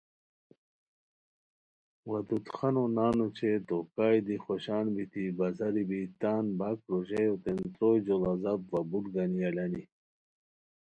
ودود خانو نان اوچے تو کائے دی خوشان بیتی بازاری بی تان باک روژایو تین تروئے جوڑا زپ وا بوٹ گنی الانی